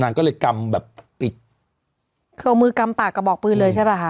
นางก็เลยกำแบบปิดคือเอามือกำปากกระบอกปืนเลยใช่ป่ะคะ